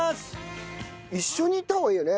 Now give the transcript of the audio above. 一緒にいった方がいいよね？